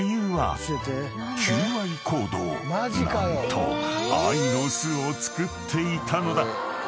［何と愛の巣を作っていたのだ］